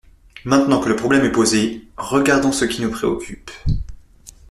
Maintenant que le problème est posé, regardons ce qui nous préoccupe.